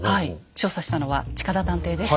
調査したのは近田探偵です。